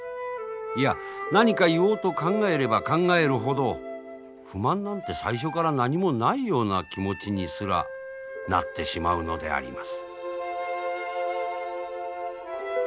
いや何か言おうと考えれば考えるほど不満なんて最初から何もないような気持ちにすらなってしまうのであります。